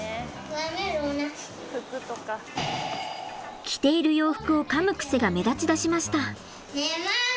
着ている洋服をかむ癖が目立ちだしました。